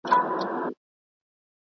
عملي ګامونه باید پورته سي.